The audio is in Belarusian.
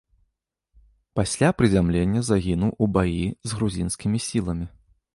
Пасля прызямлення загінуў у баі з грузінскімі сіламі.